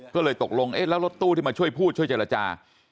ก็เลยตกลงเอ๊ะแล้วรถตู้ที่มาช่วยพูดช่วยเจรจา